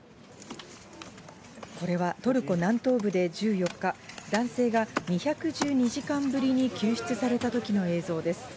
これはトルコ南東部で１４日、男性が２１２時間ぶりに救出されたときの映像です。